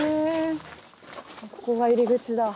ここが入り口だ。